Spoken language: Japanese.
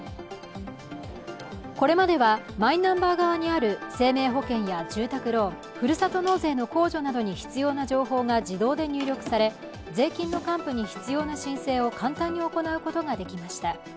これまではマイナンバー側にある生命保険や住宅ローン、ふるさと納税の控除などに必要な情報が自動で入力され税金の還付に必要な申請を簡単に行うことができました。